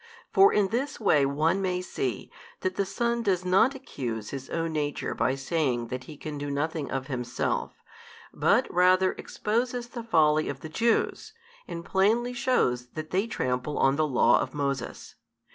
For in this way one may see, that the Son does not accuse His Own Nature by saying that He can do nothing of Himself, but rather exposes the folly of the Jews, and plainly shews that they trample on the law of Moses.